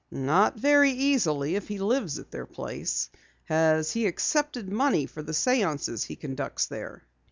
"Not very easily if he lives at their place. Has he accepted money for the séances he conducts there?"